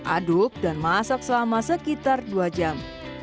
aduk dan masak selama sekitar dua jam